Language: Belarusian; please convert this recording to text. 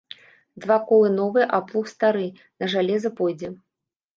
Два колы новыя, а плуг стары, на жалеза пойдзе.